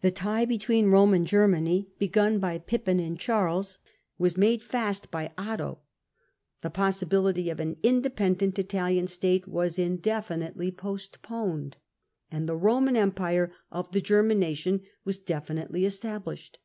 The tie between Rome and Germany, begun by Pippin and Charles, was made fast by Otto ; the possibility of an independent Italian state was indefinitely postponed, and the ' Roman Empire of the German nation ' was definitely established.